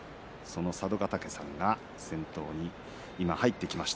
佐渡ヶ嶽さんが先頭に今入ってきました。